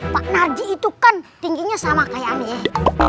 pak narji itu kan tingginya sama kayak aneh